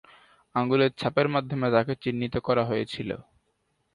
আঙুলের ছাপের মাধ্যমে তাকে চিহ্নিত করা হয়েছিল।